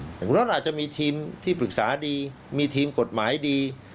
คุณน็อตอาจจะมีทีมที่ปรึกษาดีมีทีมกฎหมายดี